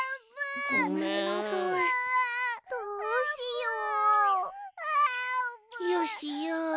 よしよし。